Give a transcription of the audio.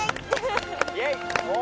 イエイ！